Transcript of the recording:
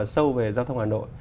sâu về giao thông hà nội